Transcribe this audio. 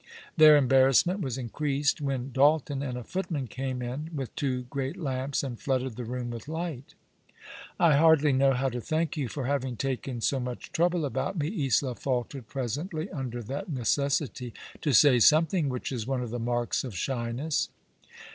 Their em barrassment was increased when Dalton and a footman came in with two great lamps and flooded the room with light. " 1 hardly know how to thank you for having taken so much trouble about me," Isola faltered pre? ently, under that necessity to say something which is one of the marks of shjTicss.